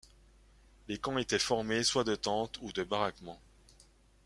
Les camps étaient formés soit de tentes ou de baraquements.